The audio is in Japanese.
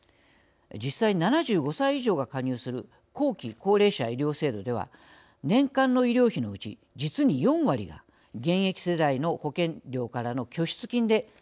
実際７５歳以上が加入する後期高齢者医療制度では年間の医療費のうち実に４割が現役世代の保険料からの拠出金で賄われています。